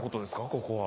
ここは。